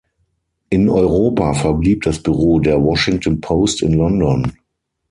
In Europa verblieb das Büro der Washington Post in London.